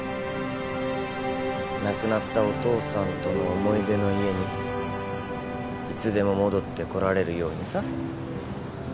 亡くなったお父さんとの思い出の家にいつでも戻ってこられるようにさ。